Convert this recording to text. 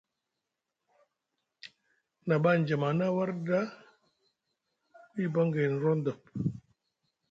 Na ɓa aŋjama a na warɗi ɗa, ku yibaŋ gayni rondop.